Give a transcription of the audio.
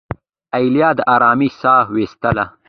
ایله د آرامۍ ساه وایستله.